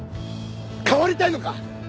変わりたいのか？